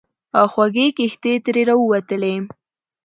او خوږې کیښتې ترې راووتلې.